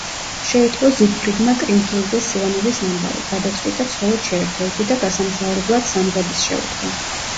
შეიტყო ზიგფრიდმა კრიმჰილდეს სილამაზის ამბავი, გადაწყვიტა, ცოლად შეერთო იგი და გასამგზავრებლად სამზადისს შეუდგა.